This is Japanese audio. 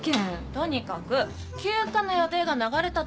とにかく休暇の予定が流れたとやもん。